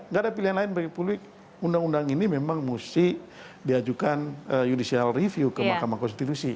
nggak ada pilihan lain bagi publik undang undang ini memang mesti diajukan judicial review ke mahkamah konstitusi